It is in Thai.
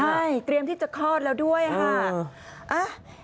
ใช่เตรียมที่จะคลอดแล้วด้วยค่ะ